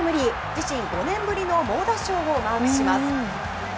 自身５年ぶりの猛打賞をマークします。